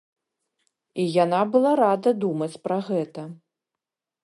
І яна была рада думаць пра гэта.